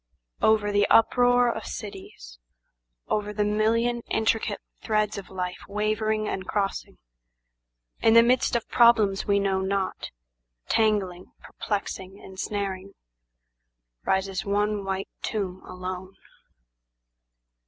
Over the uproar of cities, Over the million intricate threads of life wavering and crossing, In the midst of problems we know not, tangling, perplexing, ensnaring, Rises one white tomb alone.